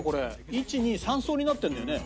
１２３層になってるんだよね。